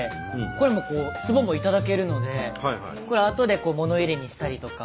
これもつぼも頂けるのでこれあとで物入れにしたりとか。